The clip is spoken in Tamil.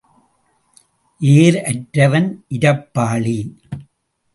ஏர் அற்றவன் இரப்பாளி.